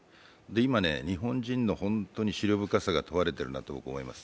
今、日本人の思慮深さが本当に問われてるなと思います。